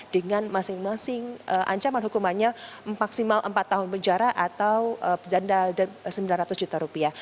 dengan masing masing ancaman hukumannya maksimal empat tahun penjara atau denda sembilan ratus juta rupiah